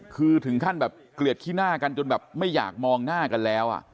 คือถึงขั้นแบบเกลียดขี้หน้ากันจนแบบไม่อยากมองหน้ากันแล้ว